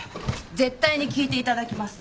絶対に聞いていただきます。